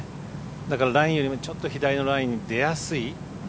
だから、ラインよりもちょっと左のラインに出やすい。